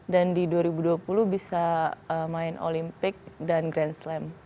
dan di dua ribu dua puluh bisa main olympic dan grand slam